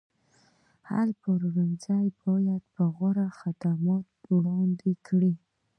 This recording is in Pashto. هر پلورنځی باید غوره خدمات وړاندې کړي.